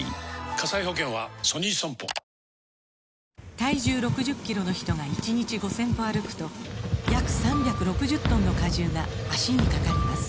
体重６０キロの人が１日５０００歩歩くと約３６０トンの荷重が脚にかかります